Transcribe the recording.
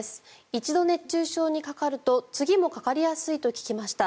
一度、熱中症にかかると次もかかりやすいと聞きました。